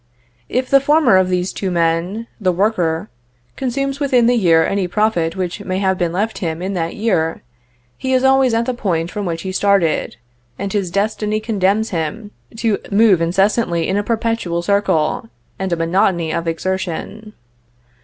If the former of these two men, the worker, consumes within the year any profit which may have been left him in that year, he is always at the point from which he started, and his destiny condemns him to move incessantly in a perpetual circle, and a monotony of exertion.